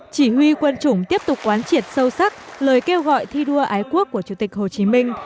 chỉ huy quân chủng tiếp tục quán triệt sâu sắc lời kêu gọi thi đua ái quốc của chủ tịch hồ chí minh